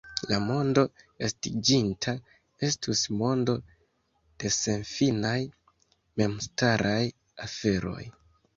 La mondo estiĝinta estus mondo de senfinaj memstaraj aferoj.